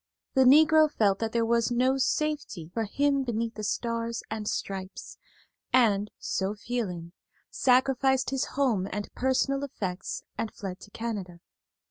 The Negro felt that there was no safety for him beneath the Stars and Stripes, and, so feeling, sacrificed his home and personal effects and fled to Canada.